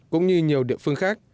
cũng như nhiều địa phương khác